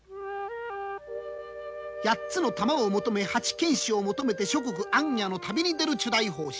八つの珠を求め八犬士を求めて諸国行脚の旅に出る丶大法師。